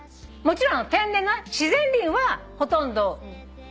もちろん天然な自然林はほとんどそりゃ